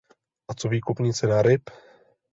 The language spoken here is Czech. A co výkupní cena ryb?